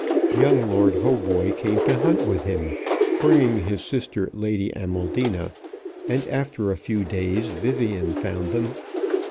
Young Lord Hautboy came to hunt with him, bringing his sister Lady Amaldina, and after a few days Vivian found them.